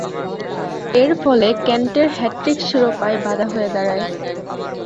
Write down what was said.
এরফলে কেন্টের হ্যাট্রিক শিরোপায় বাঁধা হয়ে দাঁড়ায়।